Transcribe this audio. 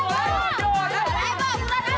oh kebetulan anggu